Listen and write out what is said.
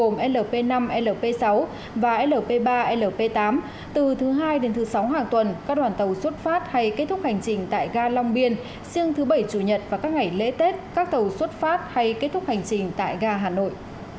gồm lp năm lp sáu và lp ba lp tám từ thứ hai đến thứ sáu hàng tuần các đoàn tàu xuất phát hay kết thúc hành trình tại ga long biên riêng thứ bảy chủ nhật và các ngày lễ tết các tàu xuất phát hay kết thúc hành trình tại ga hà nội